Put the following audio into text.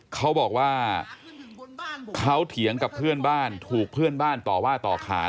เขาบอกว่าเขาเถียงกับเพื่อนบ้านถูกเพื่อนบ้านต่อว่าต่อขาน